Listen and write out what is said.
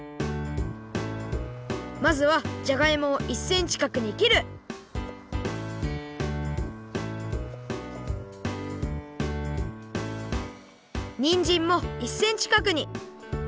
まずはジャガイモを１センチかくにきるニンジンも１センチかくに。